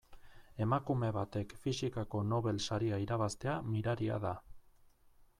Emakume batek fisikako Nobel saria irabaztea miraria da.